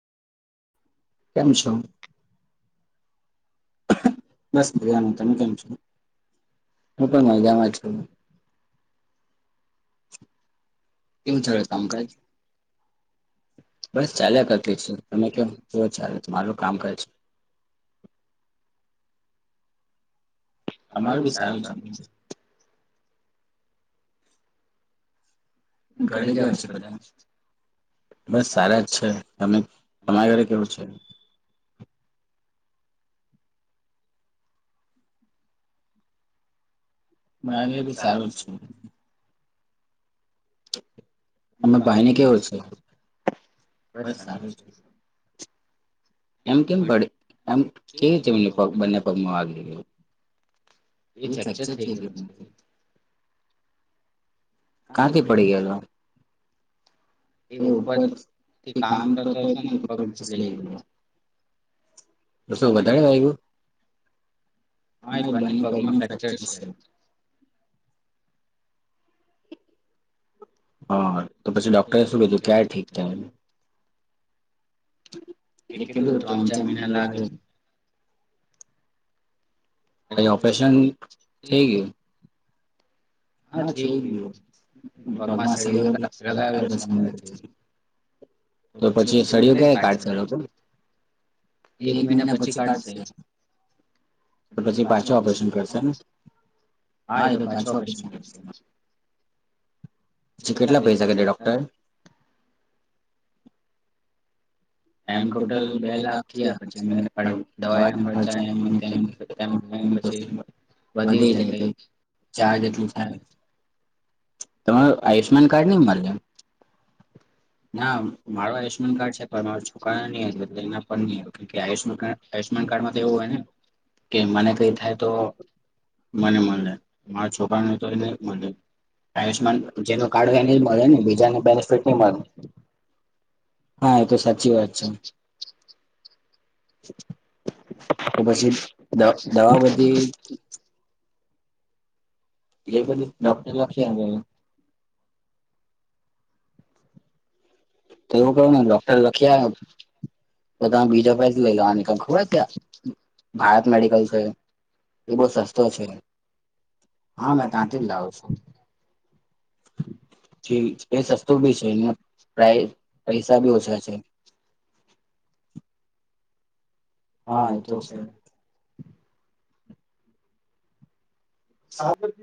કેમ છો? હું પણ મજામાં છું. બસ ચાલ્યા કરતી છે. તમે કયો, કેવો ચાલે તમારું કામકાજ. અમારું બી સારું ચાલે છે. બસ સારા જ છે. તમે તમારે ઘરે કેવું છે? મારે બી સારું જ છે. બસ સારું છે. એમ કેમ પડે? એમ કેવી રીતે એમને પગ બંને પગમાં વાગ્યું તું? [inaudible] કા થી પડી ગયેલો? તો શું વધારે લાયગું? પગમાં ફેક્ચર છે. હા તો પછી ડોક્ટરે શું કીધું ક્યારે ઠીક થાહે? એ કીધું ત્રણ ચાર મહિના લાગે. કઈ ઓપરેશન થઈ ગયું. હા થઈ ગયું. પગમાં સળીયો લ લગાવેલો છે એને હજું. એ મહિના પછી કાઢશે. હા એ તો પાછો ઓપરેશન [inaudible] પછી કેટલા પૈસા કીધા ડોક્ટર એ? એમ ટોટલ બે લાખ થયા, પછી એમને ખ દવાઈ ના ખર્ચા [unintelligible] પછી વધી જાય પહો ચાર જેટલું થાહે. તમારું આયુષ્માન કાર્ડ નહી મારી જેમ? ના મારો રેશમકાડ પરંતુ [inaudible] જેનું કાર્ડ હોય એને જ મળે ને બીજાને બેનિફિટ ની મલે. હા એ તો સાચી વાત. [inaudible] તો પછી દ દવા બધી એ બધું ડોક્ટર લખી આવે. તો એવું કહ્યું ને ડોક્ટર લખી આયા. તો તા બીજા પાસેથી લઈ લેવાની કેમ ખબર છે ત્યા ભારત મેડિકલ છે. એ બો સસ્તો છે હા મે તાથી જ લાવ છું. એ સસ્તો બી છે ને પ્રાઈઝ પૈસા બી ઓછા છે. હા એ તો છે. [inaudible]